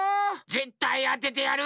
ぜったいあててやる！